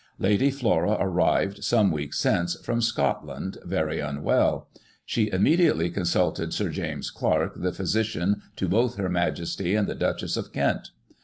"Lady Flora arrived, some weeks since, from Scotland, very xmwell. She immediately consulted Sir James Clark, the physician to both Her Majesty and the Duchess of Kent.